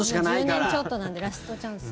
１０年ちょっとなんでラストチャンス。